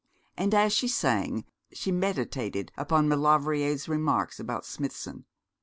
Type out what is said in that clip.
And as she sang she meditated upon Maulevrier's remarks about Smithson.